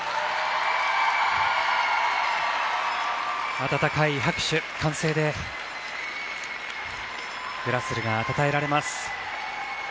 温かい拍手、歓声でグラスルがたたえられます。